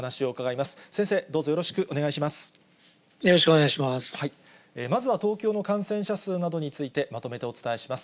まずは東京の感染者数などについてまとめてお伝えします。